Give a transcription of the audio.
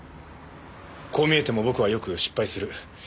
こう見えても僕はよく失敗する。